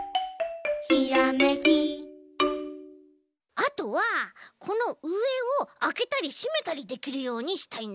あとはこのうえをあけたりしめたりできるようにしたいんだよね。